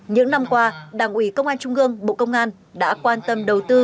những năm qua đảng ủy công an trung gương bộ công an đã quan tâm đầu tư